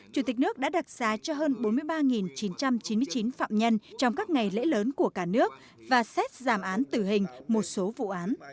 chủ tịch nước đã đặc xá cho hơn bốn mươi ba chín trăm chín mươi chín phạm nhân trong các ngày lễ lớn của cả nước và xét giảm án tử hình một số vụ án